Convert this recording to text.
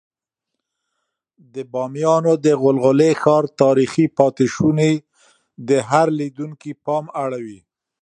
د بامیانو د غلغلي ښار تاریخي پاتې شونې د هر لیدونکي پام اړوي.